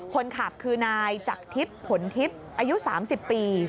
คนขับคือนายจักรทิพย์ผลทิพย์อายุ๓๐ปี